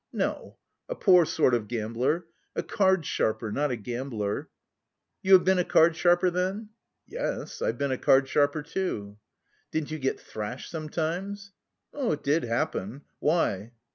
"No, a poor sort of gambler. A card sharper not a gambler." "You have been a card sharper then?" "Yes, I've been a card sharper too." "Didn't you get thrashed sometimes?" "It did happen. Why?"